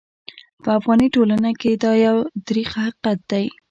په افغاني ټولنه کې دا یو ترخ حقیقت دی.